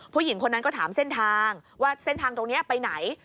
ผู้หญิงคนนั้นก็ถามเส้นทางว่าเส้นทางตรงนี้ไปไหน